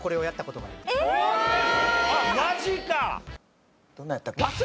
マジか！